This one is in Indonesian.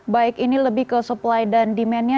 baik ini lebih ke supply dan demandnya